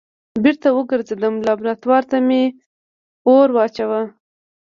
بېرته وګرځېدم لابراتوار ته مې اور واچوه.